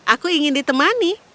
aku ingin ditemani